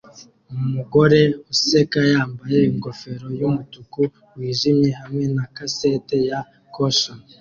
Umugore useka yambaye ingofero yumutuku wijimye hamwe na kaseti ya caution